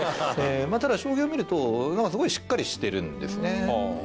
ただ、将棋を見るとすごいしっかりしてるんですね。